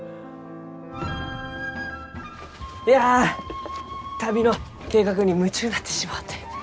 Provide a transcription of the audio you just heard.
いや旅の計画に夢中になってしもうて。